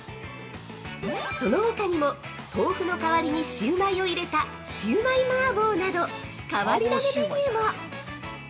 ◆そのほかにも、豆腐の代わりにシウマイを入れた「シウマイ麻婆」など、変わり種メニューも！